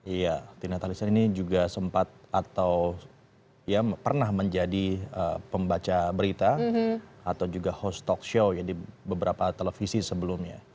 iya tina talisa ini juga sempat atau ya pernah menjadi pembaca berita atau juga host talk show di beberapa televisi sebelumnya